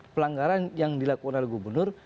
pelanggaran yang dilakukan oleh gubernur